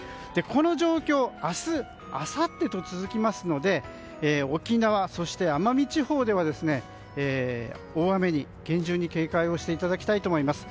この状況、明日あさってと続きますので沖縄、そして奄美地方では大雨に厳重に警戒をしていただきたいと思います。